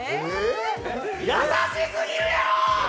優しすぎるやろ！